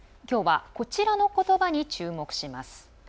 きょうは、こちらのことばに注目します。